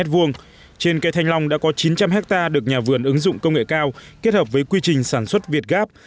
trên cây thanh long đã có chín trăm linh hectare được nhà vườn ứng dụng công nghệ cao kết hợp với quy trình sản xuất việt gáp